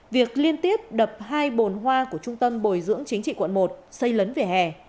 việc liên tiếp đập hai bồn hoa của trung tâm bồi dưỡng chính trị quận một xây lấn vỉa hè